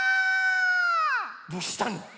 どうしたの？